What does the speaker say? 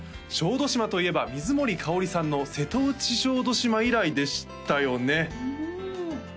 小豆島といえば水森かおりさんの「瀬戸内小豆島」以来でしたよね？